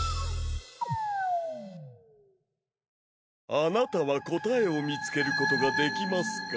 あなたは答えを見つけることができますか？